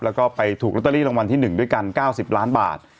แล้วก็ไปถูกลอตเตอรี่รางวัลที่๑ด้วยกัน๙๐ล้านบาท